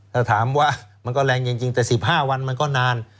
ถ้าถามว่ามันก็แรงจริงแต่๑๕วันมันก็นาน